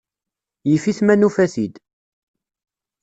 Yif-it ma nufa-t-id.